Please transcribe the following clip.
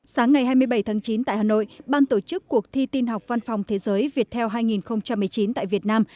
sáng ngày hai mươi bảy tháng chín tại hà nội ban tổ chức cuộc thi tin học văn phòng thế giới viettel hai nghìn một mươi chín tại việt nam